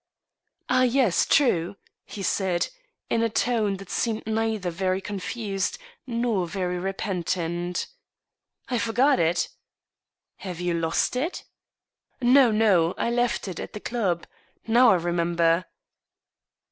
" Ah ! yes. True," he said, in a tone that seemed neither very confused nor very repentant —" I forgot it." "Have you lost it?" " No — no. I left it at the club. Now I remember."